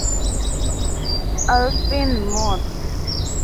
Arifin Mohd.